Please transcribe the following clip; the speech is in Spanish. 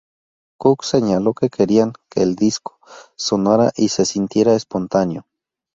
Cook señaló que querían que el disco "sonara y se sintiera espontáneo".